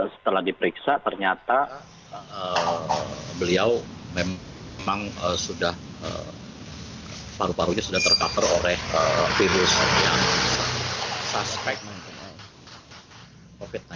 setelah diperiksa ternyata beliau memang sudah paru parunya sudah tercover oleh virus yang suspek covid sembilan belas